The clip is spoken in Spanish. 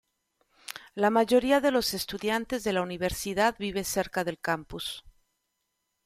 La mayoría de los estudiantes de la universidad vive cerca del campus.